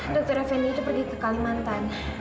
dokter effendi itu pergi ke kalimantan